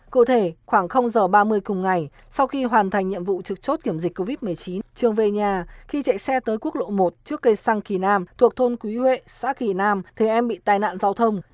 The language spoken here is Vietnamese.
cụ thể khoảng giờ ba mươi cùng ngày sau khi hoàn thành nhiệm vụ trực chốt kiểm dịch covid một mươi chín trường về nhà khi chạy xe tới quốc lộ một trước cây xăng kỳ nam thuộc thôn quý huệ xã kỳ nam thì em bị tai nạn giao thông